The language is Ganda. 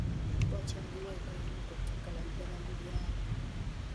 Wakyaliwo enkaayana ku ttaka naddaala mu byalo.